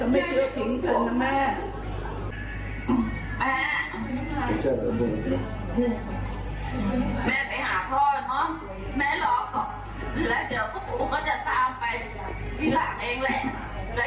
แม่ล้อมแล้วเดี๋ยวพวกผมก็จะซ่านไปที่หลังเองแหละ